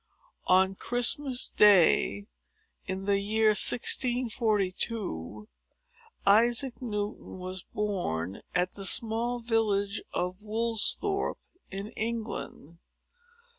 On Christmas day, in the year 1642, Isaac Newton was born, at the small village of Woolsthorpe, in England.